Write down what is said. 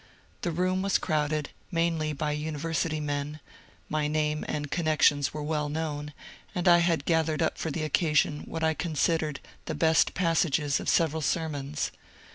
The room was crowded, mainly by university men — my name and connections were well known, and I had gathered up for the occasion what I considered the best passages of several sermons.